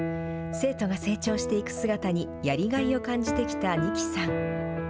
生徒が成長していく姿にやりがいを感じてきた仁木さん。